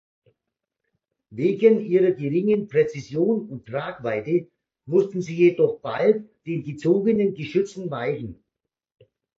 Wegen ihrer geringen Präzision und Tragweite mussten sie jedoch bald den gezogenen Geschützen weichen.